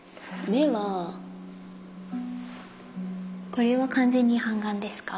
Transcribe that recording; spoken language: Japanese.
目はこれは完全に半眼ですか？